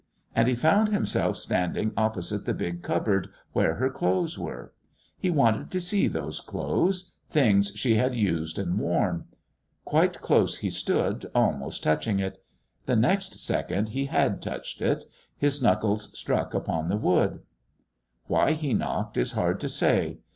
And he found himself standing opposite the big cupboard where her clothes were. He wanted to see those clothes things she had used and worn. Quite close he stood, almost touching it. The next second he had touched it. His knuckles struck upon the wood. Why he knocked is hard to say.